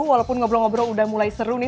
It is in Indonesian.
walaupun ngobrol ngobrol udah mulai seru nih